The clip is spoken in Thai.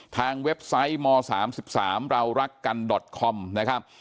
เว็บไซต์ม๓๓เรารักกันดอตคอมนะครับ